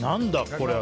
これは。